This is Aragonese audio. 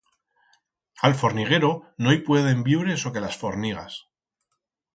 A'l forniguero no i pueden viure soque las fornigas.